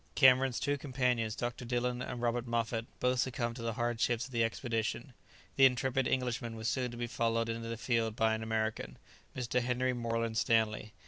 Cameron's two companions, Dr. Dillon and Robert Moffat, both succumbed to the hardships of the expedition. The intrepid Englishman was soon to be followed into the field by an American, Mr. Henry Moreland Stanley.